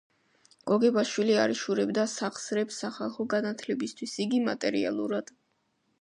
გოგებაშვილი არ იშურებდა სახსრებს სახალხო განათლებისათვის; იგი მატერიალურად